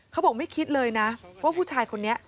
เขาบอกไม่คิดเลยนะว่าผู้ชายคนนี้